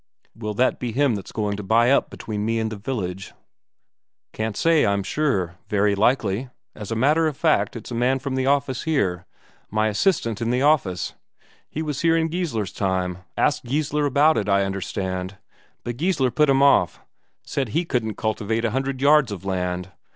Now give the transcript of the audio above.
"Will that be him that's going to buy up between me and the village?" "Can't say, I'm sure. Very likely. As a matter of fact, it's a man from the office here, my assistant in the office. He was here in Geissler's time. Asked Geissler about it, I understand, but Geissler put him off; said he couldn't cultivate a hundred yards of land.